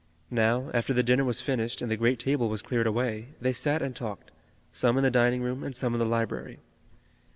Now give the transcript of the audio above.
Now, after the dinner was finished, and the great table was cleared away, they sat and talked, some in the dining room and some in the library.